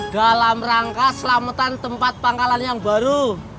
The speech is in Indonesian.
dalam rangka selamatan tempat pangkalan yang baru